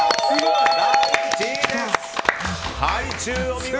お見事！